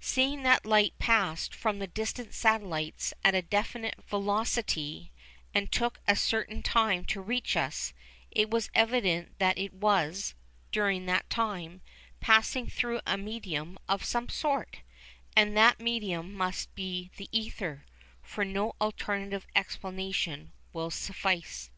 Seeing that light passed from the distant satellites at a definite velocity, and took a certain time to reach us, it was evident that it was, during that time, passing through a medium of some sort, and that medium must be the ether, for no alternative explanation will suffice.